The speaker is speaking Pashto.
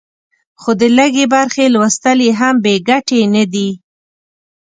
خو د لږې برخې لوستل یې هم بې ګټې نه دي.